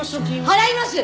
払います！